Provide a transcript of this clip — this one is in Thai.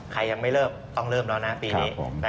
ยังไม่เริ่มต้องเริ่มแล้วนะปีนี้